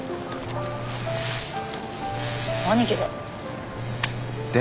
兄貴だ。